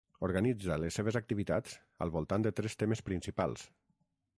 Organitza les seves activitats al voltant de tres temes principals.